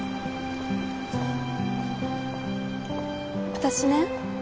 私ね